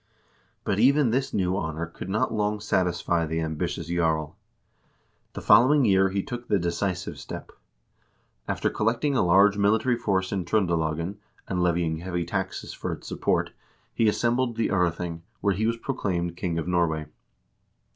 But even this new honor could not long satisfy the ambitious jarl. The following year he took the decisive step. After collecting a large military force in Tr0ndelagen, and levying heavy taxes for its support, he assembled the £)rething, where he was proclaimed king of Norway.